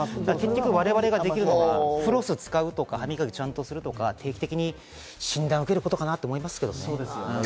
我々が結局できるのは、フロスを使うとか、歯磨きをちゃんとするとか、定期的に診断を受けることかなと思いますけどね。